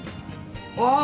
ああ！